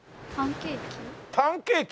「パンケーキ」。